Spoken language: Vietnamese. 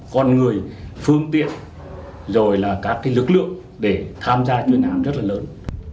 con người phương tiện rồi là các lực lượng để tham gia chuyên án rất là lớn